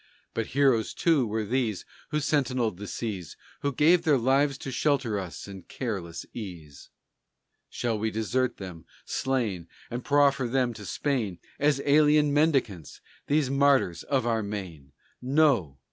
But heroes, too, were these Who sentinell'd the seas And gave their lives, to shelter us in careless ease. Shall we desert them, slain, And proffer them to Spain As alien mendicants, these martyrs of our Maine? No!